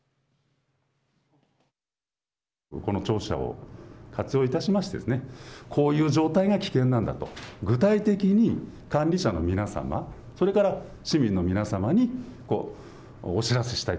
この庁舎を活用いたしましてこういう状態が危険なんだと具体的に管理者の皆様、それから市民の皆さまにお知らせしたい。